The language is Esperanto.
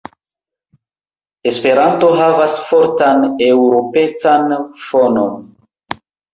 Esperanto havas fortan eŭropecan fonon.